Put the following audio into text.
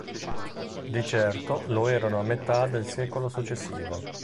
Di certo lo erano a metà del secolo successivo.